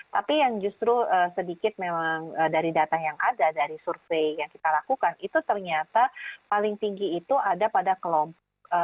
tapi yang justru sedikit memang dari data yang ada dari survei yang kita lakukan itu ternyata paling tinggi itu ada pada kelompok